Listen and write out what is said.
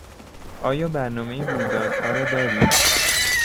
آیا برنامه رویدادها را دارید؟